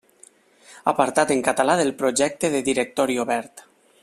Apartat en català del Projecte de Directori Obert.